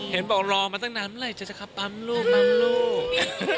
เห็นบอกรอมาตั้งนานเมื่อไหร่จะขับปั๊มลูกปั๊มลูก